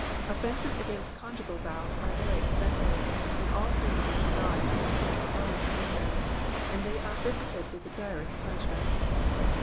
Offences against conjugal vows are very offensive, and all sins against God have the same element in them, and they are visited with the direst punishments.